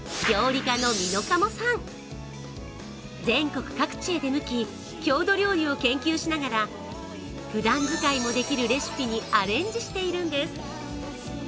全国各地へ出向き、郷土料理を研究しながらふだん使いもできるレシピにアレンジしているんです。